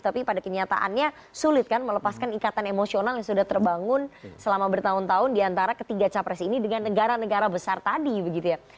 tapi pada kenyataannya sulit kan melepaskan ikatan emosional yang sudah terbangun selama bertahun tahun diantara ketiga capres ini dengan negara negara besar tadi begitu ya